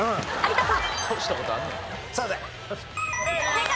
正解。